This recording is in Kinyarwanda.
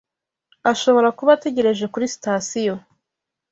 Ashobora kuba ategereje kuri sitasiyo.